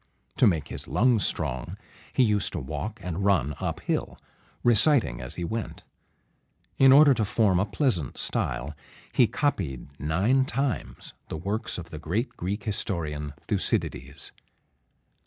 To make his lungs strong, he used to walk and run up hill, reciting as he went; and, in order to form a pleasant style, he copied nine times the works of the great Greek historian Thu cyd´i des.